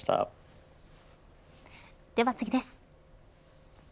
では次です。